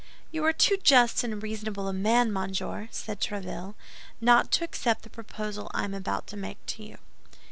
"You are too just and reasonable a man, monsieur!" said Tréville, "not to accept the proposal I am about to make to you."